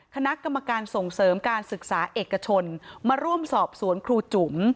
คณะกรรมการส่งเสริมการศึกษาเอกชนมาร่วมสอบสวนครูจุ๋ม